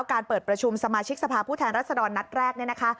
การเปิดประชุมสมาชิกสภาผู้แทนรัฐศรรณ์นัดแรก